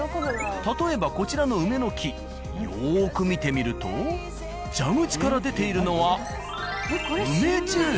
例えばこちらの梅の木よく見てみると蛇口から出ているのは。